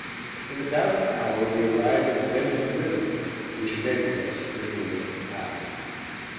In about an hour we arrived at a bend in the river, which enabled us to bring the wind aft.